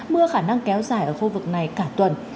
mưa khả năng kéo dài ở khu vực này cả tuần